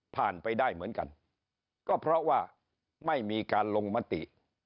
ไปได้เหมือนกันก็เพราะว่าไม่มีการลงมติ